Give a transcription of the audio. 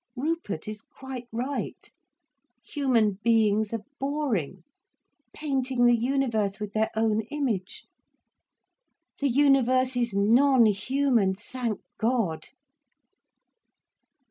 Rupert is quite right, human beings are boring, painting the universe with their own image. The universe is non human, thank God."